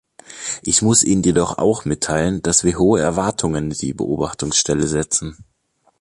Ich muss ihnen jedoch auch mitteilen, dass wir hohe Erwartungen in die Beobachtungsstelle setzen.